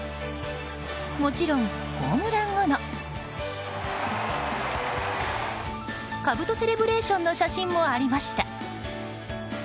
もちろん、ホームラン後のかぶとセレブレーションの写真もありました。